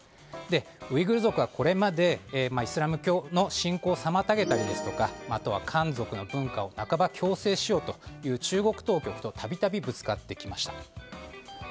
ウイグル族はこれまでイスラム教の信仰を妨げたりあとは漢族の文化を半ば強制しようという中国当局と度々ぶつかってきました。